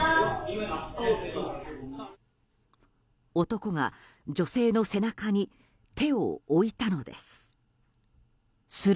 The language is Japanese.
男が女性の背中に手を置いたのです。